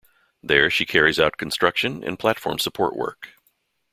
There she carries out construction and platform support work.